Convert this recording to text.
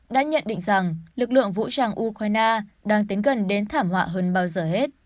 đã nhận định rằng lực lượng vũ trang ukraine đang tính gần đến thảm họa hơn bao giờ hết